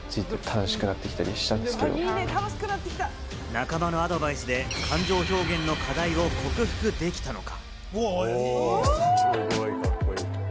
仲間のアドバイスで感情表現の課題を克服できたのか？